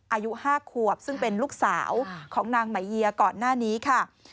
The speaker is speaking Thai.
อายุ๕ขวบซึ่งเป็นลูกสาวของนางไหมเยียก่อนหน้านี้ค่ะ